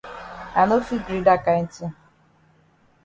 I no fit gree dat kind tin.